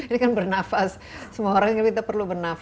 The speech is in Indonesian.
dan bisa kita berikan